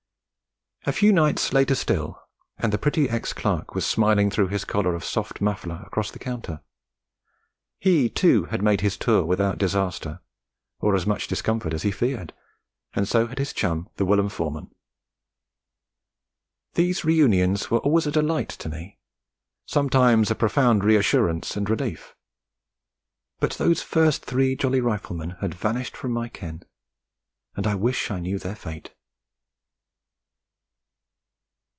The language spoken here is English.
A few nights later still, and the pretty ex clerk was smiling through his collar of soft muffler across the counter. He, too, had made his tour without disaster, or as much discomfort as he feared, and so had his chum the whilom foreman. These reunions were always a delight to me, sometimes a profound reassurance and relief. But those first three jolly Riflemen had vanished from my ken, and I wish I knew their fate.